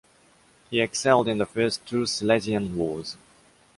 He excelled in the first two Silesian Wars.